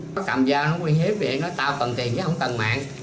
nó cầm dao nó nguy hiếp vậy nó tao cần tiền chứ không cần mạng